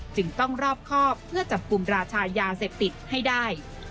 จึงต้องรอบครอบเพื่อจับกลุ่มราชายาเสพติดให้ได้